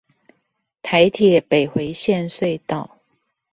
台鐵北迴線隧道